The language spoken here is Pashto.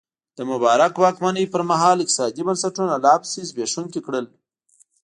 د مبارک واکمنۍ پرمهال اقتصادي بنسټونه لا پسې زبېښونکي کړل.